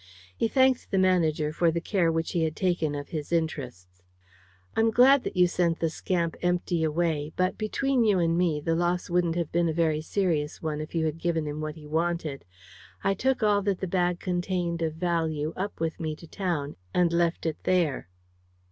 He thanked the manager for the care which he had taken of his interests. "I'm glad that you sent the scamp empty away, but, between you and me, the loss wouldn't have been a very serious one if you had given him what he wanted. I took all that the bag contained of value up with me to town, and left it there."